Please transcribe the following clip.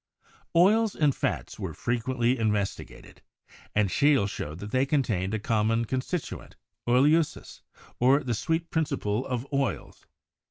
Oils and fats were frequently investigated, and Scheele showed that they contained a common constituent, oelsiiss, or the "sweet principle of oils."